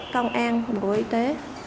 công an bộ y tế